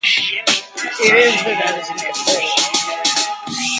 He lives in Ellesmere Port.